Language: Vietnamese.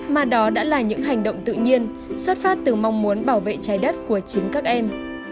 mà đó đã là những hành động tự nhiên xuất phát từ mong muốn bảo vệ trái đất của chính các em